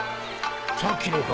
さっきのか？